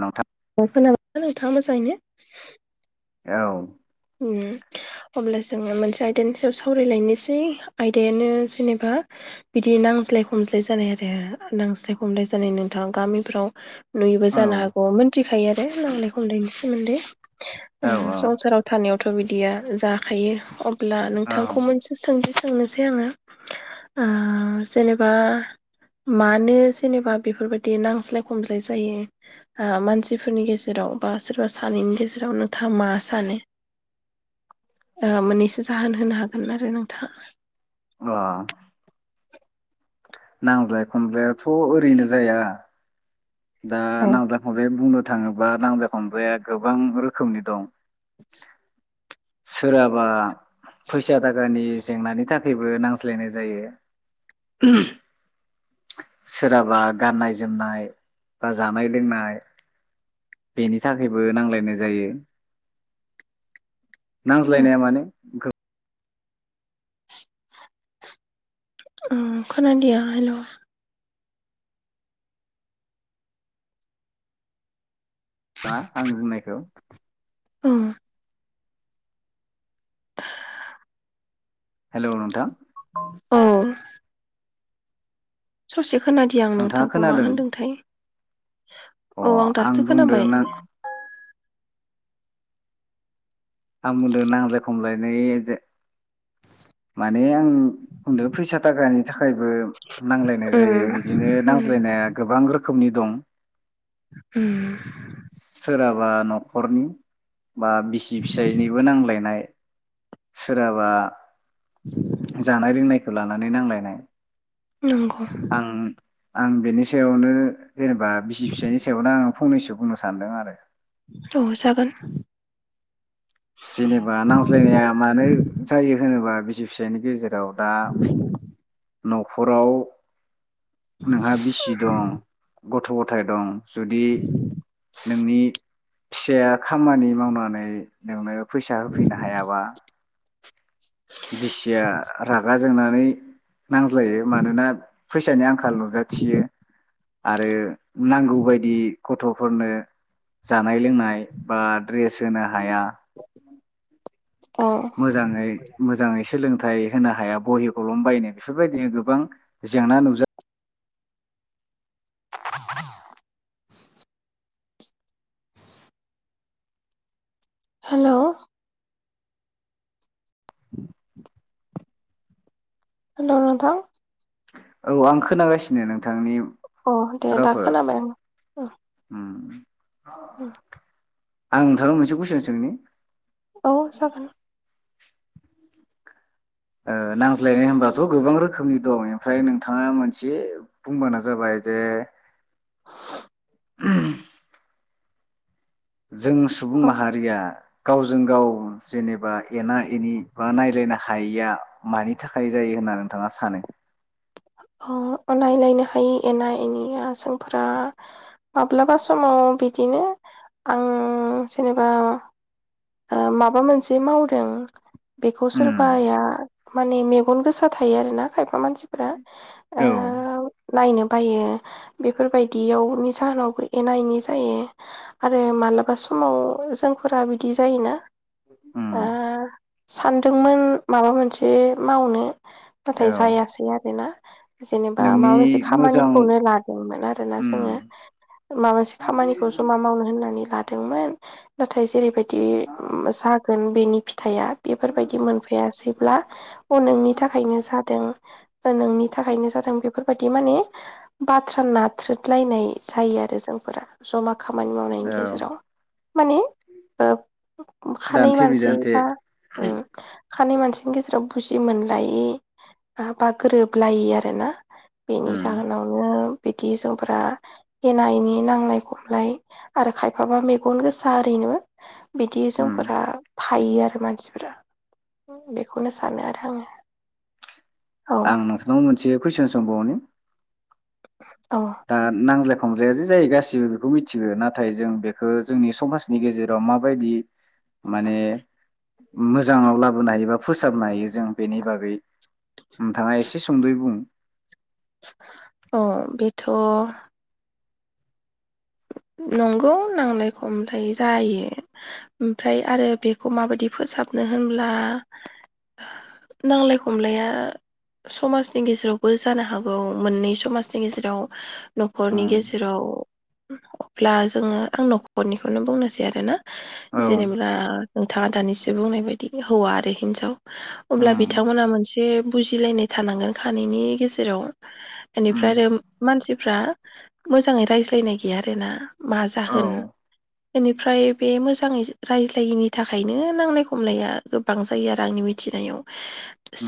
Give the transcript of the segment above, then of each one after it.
नोंथां खोनाबायना नोंथाङा मोजाङैनो [inaudible] औ अब्ला जोङो मोनसे आयदानि सायाव सावरायलायनोसै आयदायानो जेनेबा बिदि नांज्लाय खमज्लाय जानाय आरो नांज्लाय खमलाय जानाय नोंथाङा गामिफ्राव नुयोबो औ जानो हागौ मोनथिखायो आरो नांज्लाय खमलायनि सोमोन्दै ओ औ संसाराव सानैवथ' बिदिया जाखायो अब्ला औ नोंथांखौ अ मोनसे सोंथि सोंनोसै आङो ओ जेनेबा मानो जेनेबा बेफोरबायदि नांज्लाय खमज्लाय जायो ओ मानसिफोरनि गेजेराव बा सोरबा सानैनि गेजेराव नोंथाङा मा सानो ओ मोननैसो जाहोन होनो हागोन आरो नोंथाङा अ नांज्लाय खमजायाथ' ओरैनो जाया दा औ नांजाय खमलाय बुंनो थाङोबा नांज्लाय खमज्लाया गोबां रोखोमनि दं सोरहाबा फैसा थाखानि जेंनानि थाखायबो नांज्लायनाय जायो सोरहाबा गाननाय जोमनाय बा जानाय लोंनाय बेनि थाखायबो नांलायनाय जायो नांज्लायनाया माने गा उम खाोनादिया हेल' ना आंनि बुंनायखौ? ओम । हेल' नोंथां । औ । ससे खोनादिया आं नोंथाङा नोंथांखौ मा खोनादों होनदोंथाय? अ औ आं दासो बुंदों खोनाबाय ना । आं बुंदों नांज्लाय खामनायनि जे माने आं बुंदों फैसा थाखानि थाखाय थाखायबो नांलायनाय जायो उम बिदिनो उम नांज्लायनाया गोबां रोखोम रोखोमनि दं । उम जाबा न'खरनि बा बिसि फिसायनिबो नांलायनाय । सोराबा जानाय लोंनायखौ लानानै नांलायनाय । नंगौ । आं बिनि सायावनो जेनेबा बिसि फिसायनि सायावनो आङं फंनैसो बुंनो सान्दों आरो ‌ औ जागोन । जेनेबा नांज्लायनाया मानो जायो होनोबा बिसि फिसायनि गेजेरजों जावदा न'खराव नोंहा बिसि दं गथ' गथाय दं जुदि नोंनि फिसाया खामानि मावनानै नोंनो फैसा होफैनो हायाबा बिसिया रागा जोंनानै नांज्लायो मानोना फैसानि आं खाल नुजाथियो। आरो नांगौ बायदि गथ' फोरनो जानाय लोंनाय बा द्रेस होना हाया अ मोजाङै मोजाङै सि सोलोंथाइ होनो हाया बहिखलम बायनो बेफोरबायदिनो गोबां जेंना नुजा ह [inaudible] हेलौ [inaudible] हेलै नोंथां औ आं खोनागासिनो नोंथांनि अ दे दा रावखौ खोनाबाय आं औ! आं नोंथांना मोनसे कुइसन सोंनि? औ जागोन। ओ नांज्लायनाय होनबथ' गोबां रोखोमनि दं ओमफ्राय नोंथाङा मोनसे बुंब्लानो जाबाय जे, [inaudible] [unintelligible] जों सुबुं औ माहारिया, गावजों गाव जेनेबा एना एनि बा नायलायनो हायिया मानि थाखाय जायो होनना नोंथाङा सानो? ह नायलायनो हायि एना एनिया जोंफोरा माब्लाबा समाव बिदिनो आं जेनेबा ओ माबा मोनसे मावदों, बेखौ उम सोरबाआ माने मेगन गोसा थायो आरोना खायफा मानसिफ्रा, ओ औ नायनो बायो बेफोरबायदियावनि जाहोनावबो एना एनि जायो आरो मालाबा समाव जोंफोरा बिदि जायोना? उम ओ सानदोंमोन माबा मोनसे मावनो, नाथाय औ जायासै ना बेना, जेनेबा माबा नोंनि मोनसे मोजां खामानिखौनो लादोंमोन आरोना उम जोङो माबा मोनसे खामानिखौ जमा मावनो होनना लादोंमोन नाथाय जेरै बायदि दि औ उम सागोन बेनि फिथ फिथाइया बेफोरबायदि मोनफैयासै, ब्ला अ नोंनि थाखायनो जादों। ओ नों थाखायनो जादों बेफोर । बेदि माने बाथ्रा नाथ्रोदलायनाय जायो आरो जोंफोरा जमा खामानि मावनायनि गेजेराव माने ओ खानै दान्थे मानसै बिदान्थे बा खानै मानसैनि गेजेराव बुजि मोनलायि बा गोरोब लायि आरो ना । बेनि उम जाहोनावनो बिदि जोंफ्रा एना एनि नांलाय खमलाय आरो खायफाबा मेगन गोसा ओरैनो बिदि उम जोंफोरा फायो आरो मानसिफोरा बेखौनो सानो आरो आङो । आं नोसो नों मोनसे कुइसन सोबावनि दा नांज्लाय खमज्लाया जे जायो गासिबो बेखौ मिथियो नाथाय जों बेखौ जोंनि समाजनि गेजेराव माबायदि माने मोजाङाव लाबोनो हायो बा फोसाबनो हायो जों बेनि बागै नोंथाङा एसे सुंदयै बुं थ' नंगौ नांलाय खमलाय जायो । ओमफ्राय आरो बेखौ माबायदि फोसाबनो होनब्ला नांलाय खमलाया समाजनि गेजेरावबो जानो हागौ मोननै समाजनि गेजेराव न'खरनि उम गेजेराव अब्ला जोङो आं नखरनिखौनो बुंनोसै आरोना औ जेनेबा नोंथाङा दानिसो बुंनाय बायदि हौवा आरो हिनजाव अब्ला उम बिथांमोना मोनसे बुजिलायनाय थानांगोन खानैनि गेजेराव । उम बेनिफ्राय आरो मानसिफ्रा मोजाङै रायज्लायनाय गैया आरोना मा औ जाहोन बेनिफ्राय बे मोजाङै रायज्लायैनि थाखायनो नांलाय खमलाया गोबां जायो आरो आंनि मिथिनायाव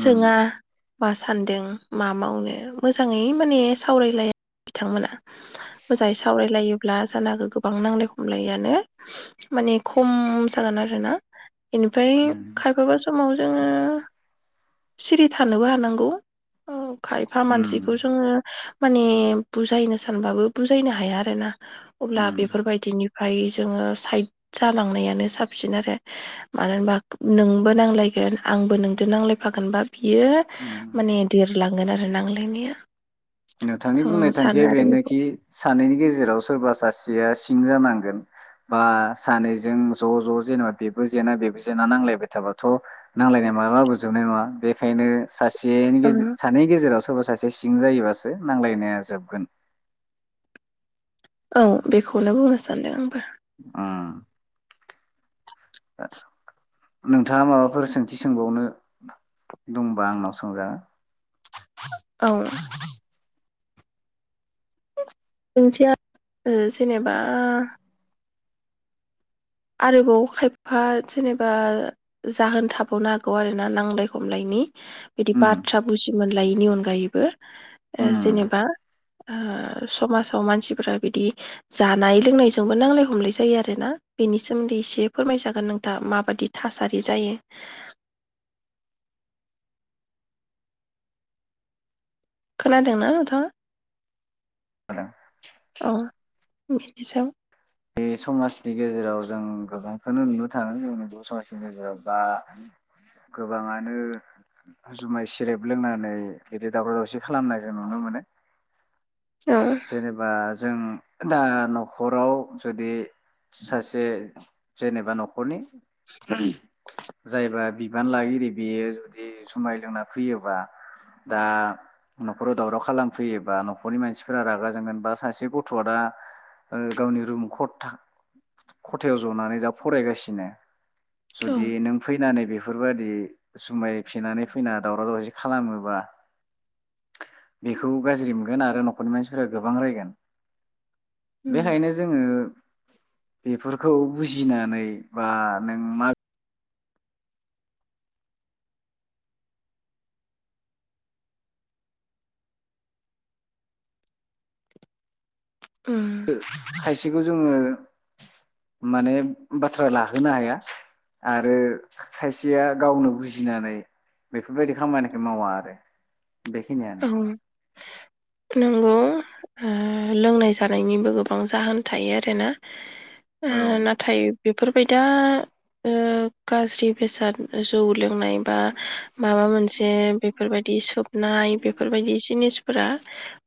सोङा मा सान्दों। मा मावनो मोजाङै माने सावरायलाया बिथांमोना मोजाङै सावरायलायोब्ला जानागौ गोबां नांलाय खमलायानो माने खम जागोन आरोना बेनिफ्राय उम खायफाबा समाव जोङो सिरि थानोबो हानांगौ औ। खायफा मानसिखौ उम जोङो । माने बुजायनो सानबाबो बुजायनो हाया। आरोना अब्ला उम बेफोरबायदिनि ओमाय जोङो साइड जालांनायानो साबसिन आरो मानो होनबा नोंबो नांलायगोन आंबो नोंजों नांलायफागोन बा। बियो उम माने देरलांगोन आरो । आरो नांलायनाया नोंथांनि बुंनाय आं सानो थांखिया आरो बेखौ बेनोखि सानैनि गेजेराव सोरबा सासेया सिं जानांगोन बा सानैजों ज' ज' जेनेबा बेबो जेना बेबो जेना नांलायबाय थाबाथ नांलायनाय मालाबाबो जोबनाय नङा बेखायनो। सासेनिगेज सानैनि गेजेराव सा सोरबा सासेआ सिं जायोबास नांलायनाया जोबगोन। औ बेखौनो बुंनो सानदों आंबो। ओ नोंथाङा माबाफोर सोंथि सोंबावनो दंबा आंनाव सोंजागोन। औ। ओनथिया ओ जेनेबा। आरोबाव खायफा जेनेबा जाहोन थाबावनो हागौ आरोना नांलाय खमलायनि बिदि उम बाथ्रा बुजि मोनलायैनि अनगायैबो ओ उम जेनेबा ओ समाजाव मानसिफोरा बिदि जानाय लोंनायजोंबो नांलाय खमलाय जायो आरोना। बेनि सोमोन्दै एसे फोरमायजागोन नोंथाङा माबादि थासारि जायो। खोनादोंना नोंथाङा? जागोन। अ बिनिसायाव। बे समाजनि गेजेराव जों गोबांखौनो नुनो थाङो जोंनि बर' समाजनि गेजेराव बा गोबाङानो जुमाय सेरेब लोंनानै बिदि दावराव दावसि खालामनायखौ नुनो मोनो। औ जेनेबा जों दा न'खराव जुदि सासे जेनेबा न'खरनि ओम जायबा बिबान लागिरि बेयो जुदि जुमाय लोंना फैयोबा दा न'खराव दावराव खालामफैयोबा न'खरनि मानसि फोरा रागा जोंगोन बा सासे गथ'आ दा ओ गावनि रुम खथथा खथायाव जनानै दा फरायगासिनो। औ जुदि नों फैनानै बेफोरबायदि जुमाय फेनानै फैना दावराव दावसि खालामोबा बेखौ गाज्रि मोनगोन आरो नख खरनि मानसिफोरा गोबां रायगोन। उम बेखायनो जोङो बेफोरखौ बुजिनानै बा नों मा उम। खायसेखौ जोङो माने बाथ्रा लाहोनो हाया आरो खायसेया गावनो बुजिनानै बेफोरबायदि खामानिखौ मावा आरो। बेखिनियानो। नोंगौ ओ लोंनाय जानायनिबो गोबां जाहोन थायो आरोना। ओ औ नाथाय बेफोरबाय दा ओ गाज्रि बेसाद जौ लोंनाय बा माबा मोनसे बेफोरबायदि सोबनाय बेफोरबायदि जिनिसफोरा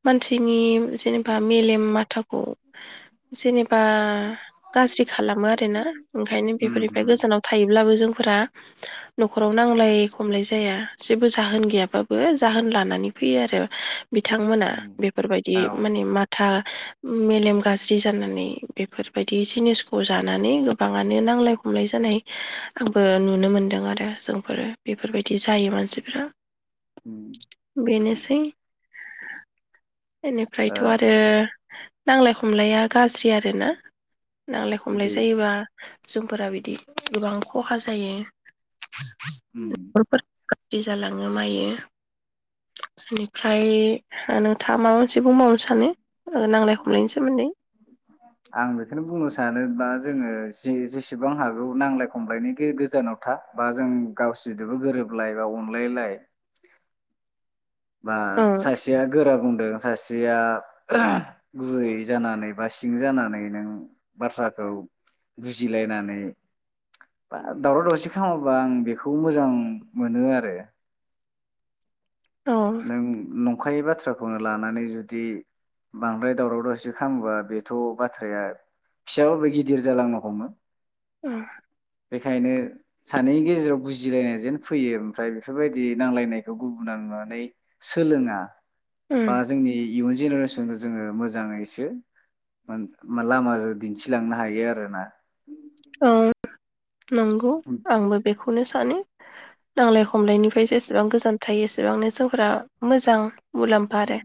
मानसिनि जेनेबा मेलेम माथाखौ जेनेबा गाज्रि खालामो आरोना ओंखायनो उम बेफोरनिफ्राय उम गोजानाव थायोब्लाबो जों फोरा न'खराव नांलाय खमलाय जाया जेबो जाहोन गैयाबाबो जाहोन लानानै बे आरो। बिथांमोना उम बेफोरबायदि औ माने माथा उम मेलेम गाज्रि जानानै बेफोरबायदि जिनिसखौ जानानै गोबाङानो नांलाय खमलाय जानाय आंबो नुनो मोनदों आरो जोंफोरो बेफोरबायदि जायो मानसिफ्रा। ओम बेनोसै। [inaudible] ओ इनिफ्रायथ' आरो नांलाय खमलाया गाज्रि आरो ना नांलाय खमलाय बे जायोबा जोंफोरा बिदि गोबां खहा जायो। [unintelligible] उम जि जालाङो मायो बेनिफ्राय नोंथाङा माबा मोनसे बुंबावनो सानो नांलाय खमलायनि सोमोन्दै? आं बेखौनो बुंनो सानोबा जोङो जि जेसेबां हागौ नांलाय खमलायनि गो-गोजानाव था बा जों गावसिदोबो गोरोबलाय बा अनलायलाय। बा औ सासेया गोरा बुंदों सासेया गुरै जानानै बा सिं जानानै नों बाथ्राखौ बुजिलायनानै बा दावराव दावसि खालामाबा आं बेखौ मोजां मोनो आरो औ नों नं नंखायै बाथ्राखौनो लानानै जुदि बांद्राय दावराव दावसि खालामोबा बेथ' बाथ्राया फिसाबाबो गिदिर जालांनो हमो। ओ बेखायनो सानैनि गेजेराव बुजिलायनाय जेन फैयो ओमफ्राय बेफोरबायदि नांलायनायखौ गुबुना नुवा नानै सोलोङा। औ बा जोंनि इयुन जेनेरेसनखौ जोङो मोजाङैसो लामाजों दिन्थिलांनो हायो आरोना। औ नंगौ उम आंबो बेखौ खौनो सानो नांलाय खम खमलायनिफ्राय जेसेबां गोजान थायो एसे बेसेबांनो जोंफोरा मोजां। मुलाम्फा आरो उम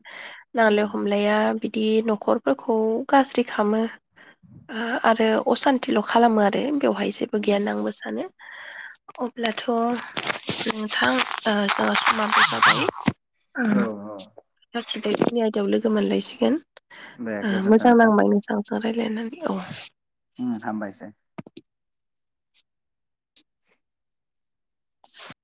नांलाय उम खमलाया बिद दि न'खरफोरखौ गाज्रि खालामो। हा आरो असान्थिल' खालामो आरो। बेवहाय जेबो गैया होनना उम आंबो सानो। अब्लाथ' नोंथां जोंहा समाबो जाबाय औ औ उम [unintelligible] याव लोगो मोनलायसिगोन। दे गोजोन्थों मोजां नांबाय नोंथां। ज' रायलायनानै औ। हो हामबायसै।